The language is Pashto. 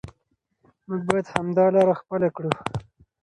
موږ باید همدا لاره خپله کړو.